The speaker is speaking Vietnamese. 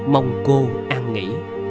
mong cô an nghỉ